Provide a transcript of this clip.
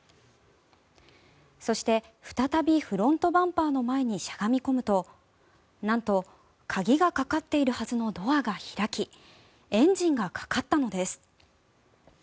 そして、再びフロントバンパーの前にしゃがみ込むとなんと鍵がかかっているはずのドアが開きエンジンがかかったのです。